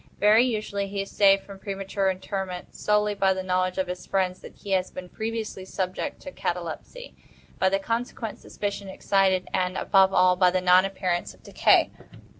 Very usually he is saved from premature interment solely by the knowledge of his friends that he has been previously subject to catalepsy, by the consequent suspicion excited, and, above all, by the non appearance of decay.